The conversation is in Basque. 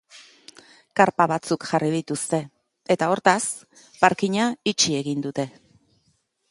Karpa batzuk jarri dituzte, eta, hortaz, parkinga itxi egin dute.